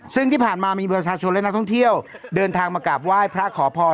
ซึ่งที่ผ่านมามีประชาชนและนักท่องเที่ยวเดินทางมากราบไหว้พระขอพร